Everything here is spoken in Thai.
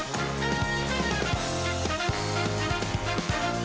สวัสดีค่ะ